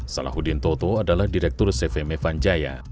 salahuddin toto adalah direktur cvm evanjaya